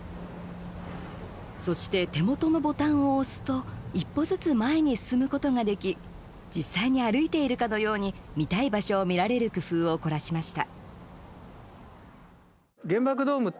そして手元のボタンを押すと一歩ずつ前に進むことができ実際に歩いているかのように見たい場所を見られる工夫を凝らしました。